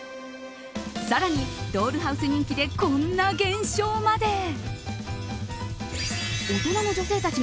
さらにドールハウス人気でこんな現象まで。